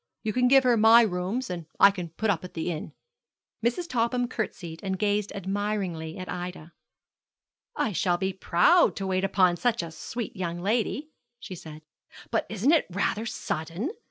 You can give her my rooms, and I can put up at the inn.' Mrs. Topman curtseyed, and gazed admiringly at Ida. 'I shall be proud to wait upon such a sweet young lady,' she said. 'But isn't it rather sudden?